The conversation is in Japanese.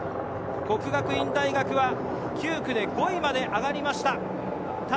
國學院大學は９区で５位まで上がりました。